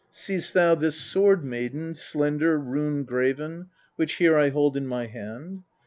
25. See'st thou this sword, maiden, slender, rune graven, which here I hold in my hand